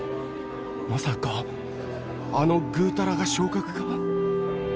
まさかあのぐうたらが昇格か？